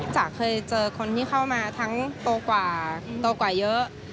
จ๋าเคยเจอคนที่เข้ามาทั้งโตกว่าโตกว่าเยอะ